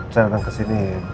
saya datang kesini